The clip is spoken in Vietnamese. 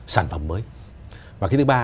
sản phẩm mới và cái thứ ba